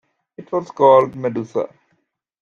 It was called Medusa.